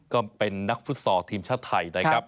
ก็เป็นนักฟุตซอลทีมชาติไทยนะครับ